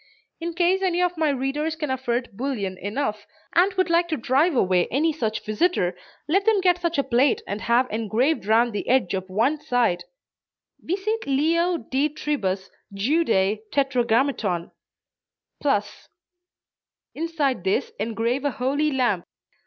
In case any of my readers can afford bullion enough, and would like to drive away any such visitor, let them get such a plate and have engraved round the edge of one side, "Vicit Leo de tribus Judae tetragrammaton [cross]." Inside this engrave a "holy lamb."